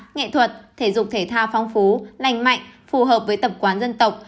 nghệ thuật thể dục thể thao phong phú lành mạnh phù hợp với tập quán dân tộc